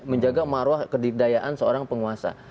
menjaga marwah kedidayaan seorang penguasa